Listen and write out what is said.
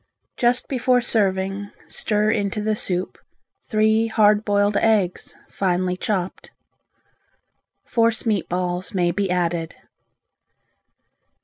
Just before serving stir into the soup three hard boiled eggs, finely chopped. Force meat balls may be added.